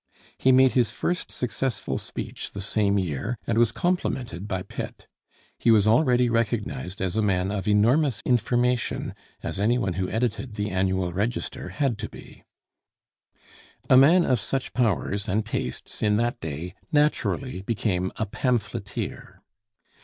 He made his first successful speech the same year, and was complimented by Pitt. He was already recognized as a man of enormous information, as any one who edited the Annual Register had to be. [Illustration: EDMUND BURKE.] A man of such powers and tastes in that day naturally became a pamphleteer.